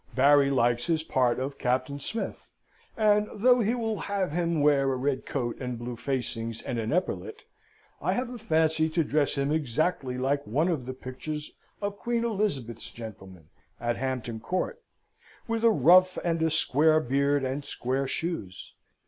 Barry likes his part of Captain Smith; and, though he will have him wear a red coat and blue facings and an epaulet, I have a fancy to dress him exactly like one of the pictures of Queen Elizabeth's gentlemen at Hampton Court: with a ruff and a square beard and square shoes.